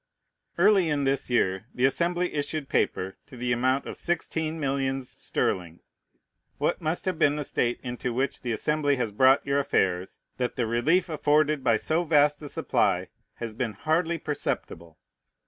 Early in this year the Assembly issued paper to the amount of sixteen millions sterling. What must have been the state into which the Assembly has brought your affairs, that the relief afforded by so vast a supply has been hardly perceptible?